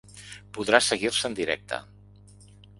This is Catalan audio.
Podrà seguir-se en directe.